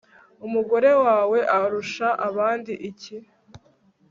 umugore wawe arusha abandi iki